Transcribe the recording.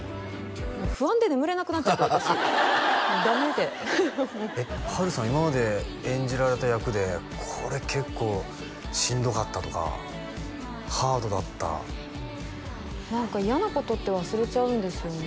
もう不安で眠れなくなっちゃって私ダメで波瑠さん今まで演じられた役でこれ結構しんどかったとかハードだった何か嫌なことって忘れちゃうんですよね